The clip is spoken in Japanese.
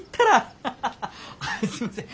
あっすいません。